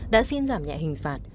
đã xin giảm nhẹ hình phạt